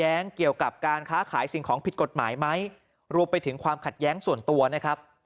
เกี่ยวกับการค้าขายสิ่งของผิดกฎหมายไหมรวมไปถึงความขัดแย้งส่วนตัวนะครับ